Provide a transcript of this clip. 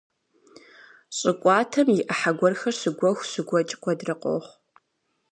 Щӏы кӏуатэм и ӏыхьэ гуэрхэр щыгуэху, щыгуэкӏ куэдрэ къохъу.